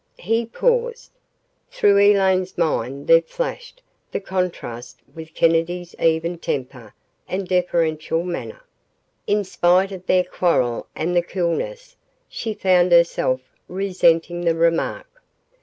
He paused. Through Elaine's mind there flashed the contrast with Kennedy's even temper and deferential manner. In spite of their quarrel and the coolness, she found herself resenting the remark.